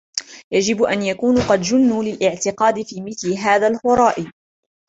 يجب أن يكونوا قد جُنّوا للاعتقاد في مثل هذا الهراء.